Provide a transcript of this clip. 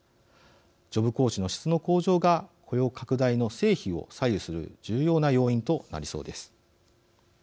ジョブコーチの質の向上が雇用拡大の成否を左右する重要な要因となりそうです。